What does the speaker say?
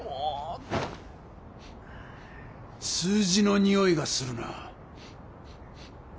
数字のにおいがするな。